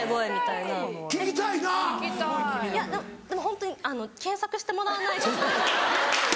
いやでもホントに検索してもらわないと。